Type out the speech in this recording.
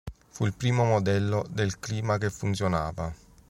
Fu il primo modello del clima che funzionava.